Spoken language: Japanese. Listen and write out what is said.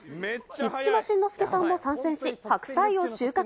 満島真之介さんも参戦し、白菜を収穫。